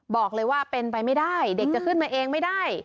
บอกเลยว่าเป็นไปไม่ได้เด็กจะขึ้นมาเองไม่ได้